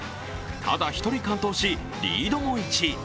ただ１人完登し、リードも１位。